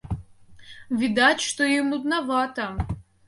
Відаць, што ім нуднавата.